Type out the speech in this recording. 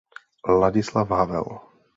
Ladislav Havel.